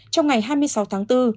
trong ngày hai mươi sáu tháng bốn